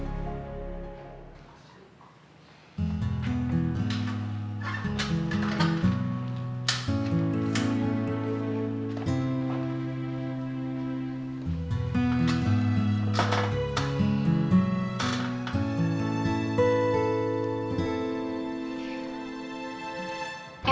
berita tersebut berkini